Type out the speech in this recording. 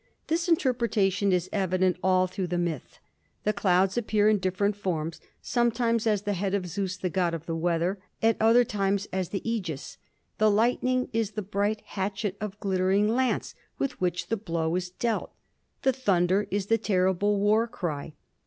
This interpretation is evident all through the myth. The clouds appear in different forms, sometimes as the head of Zeus the god of the weather, at other times as the ægis. The lightning is the bright hatchet or glittering lance with which the blow is dealt. The thunder is the terrible war cry.